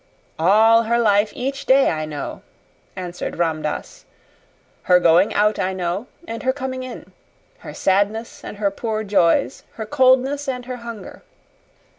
"All her life each day I know," answered Ram Dass. "Her going out I know, and her coming in; her sadness and her poor joys; her coldness and her hunger.